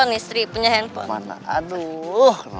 nenek punya handphone